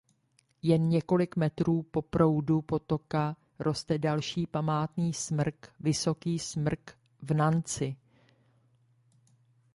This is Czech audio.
Jen několik metrů po proudu potoka roste další památný smrk Vysoký smrk v Nancy.